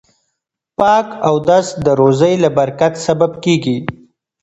پاک اودس د روزۍ د برکت سبب کیږي.